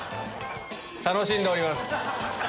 楽しんでおります。